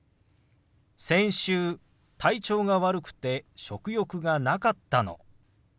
先週体調が悪くて食欲がなかったの。